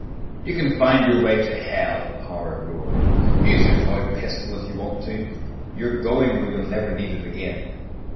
"You can find your way to hell!" Power roared. "Use your toy pistol, if you want to. You're going where you'll never need it again!"